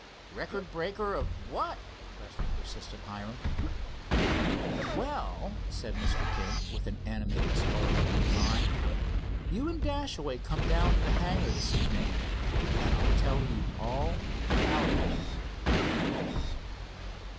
"Record breaker of what?" pressed the persistent Hiram. "Well," said Mr. King with an animated sparkle in his eye, "you and Dashaway come down to the hangar this evening, and I'll tell you all about it."